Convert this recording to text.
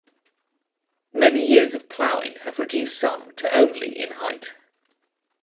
Many years of plowing have reduced some to only in height.